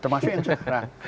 termasuk yang sekarang